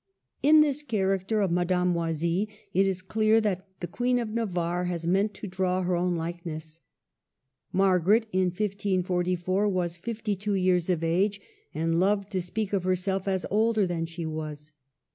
In this character of Madame Oisille, it is clear that the Queen of Navarre has meant to draw her own likeness. Margaret, in 1544, was fifty two years of age, and loved to speak of herself as older than she was.